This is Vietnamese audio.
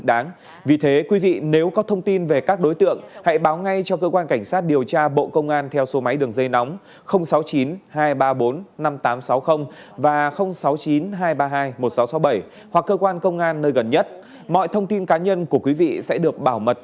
đối quản lý thị trường số một mọi thông tin cá nhân của quý vị sẽ được bảo mật